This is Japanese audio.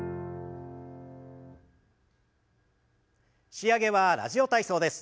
仕上げは「ラジオ体操」です。